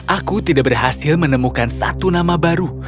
aku tidak berhasil menemukan satu nama baru